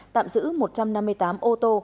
tạm giữ một trăm năm mươi tám ô tô